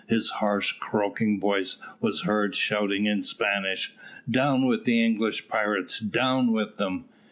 his harsh croaking voice was heard shouting in Spanish. "Down with the English pirates, down with them!"